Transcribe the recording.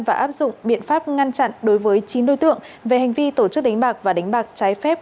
và áp dụng biện pháp ngăn chặn đối với chín đối tượng về hành vi tổ chức đánh bạc và đánh bạc trái phép